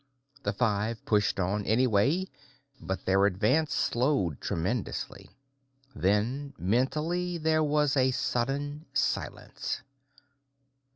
The five pushed on, anyway, but their advance slowed tremendously. Then, mentally, there was a sudden silence.